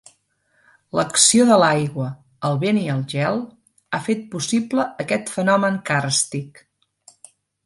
L'acció de l'aigua, el vent i el gel, ha fet possible aquest fenomen càrstic.